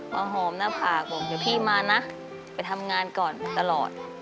ว่าหอมหน้าผากบอกว่าพี่มานะไปทำงานก่อนตลอด